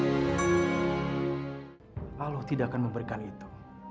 allah tidak akan memberikan itu